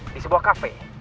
di sebuah cafe